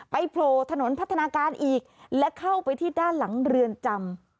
โผล่ถนนพัฒนาการอีกและเข้าไปที่ด้านหลังเรือนจำ